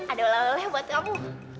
ada lelah leleh buat kamu